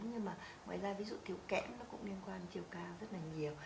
nhưng mà ngoài ra ví dụ kẽm nó cũng liên quan đến chiều cao rất là nhiều